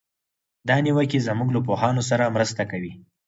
دا نیوکې زموږ له پوهانو سره مرسته کوي.